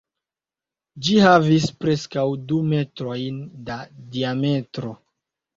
Ĝi havis preskaŭ du metrojn da diametro.